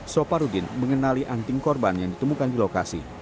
soparudin mengenali anting korban yang ditemukan di lokasi